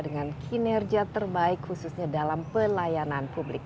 dengan kinerja terbaik khususnya dalam pelayanan publik